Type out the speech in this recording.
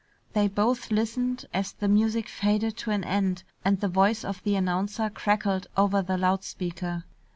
They both listened as the music faded to an end and the voice of the announcer crackled over the loud speaker.